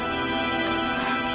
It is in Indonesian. ya itu bu